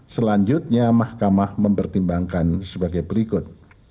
selanjutnya mahkamah mempertimbangkan sebagai berikut